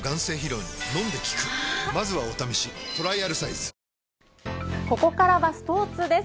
づけにもここからはスポーツです。